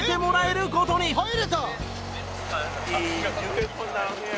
「入れた！」